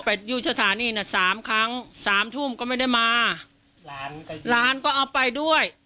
ไปยูชาธานี่น่ะสามครั้งสามทุ่มก็ไม่ได้มาร้านก็เอาไปด้วย